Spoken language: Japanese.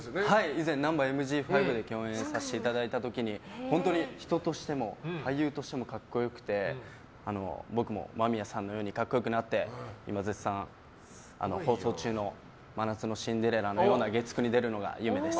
以前「ナンバＭＧ５」で共演させていただいた時に本当に人としても俳優としても格好良くて僕も間宮さんのように格好良くなって今、絶賛放送中の「真夏のシンデレラ」のような出れる！